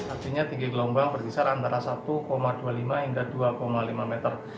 artinya tinggi gelombang berkisar antara satu dua puluh lima hingga dua lima meter